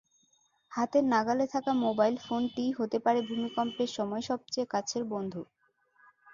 হাতের নাগালে থাকা মোবাইল ফোনটিই হতে পারে ভূমিকম্পের সময় সবচেয়ে কাছের বন্ধু।